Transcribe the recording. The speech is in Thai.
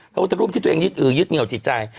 พระพุทธรูปที่ตัวเองยึดเหนียวจิตใจ